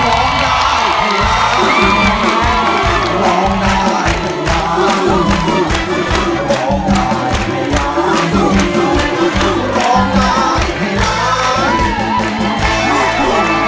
ได้ครับ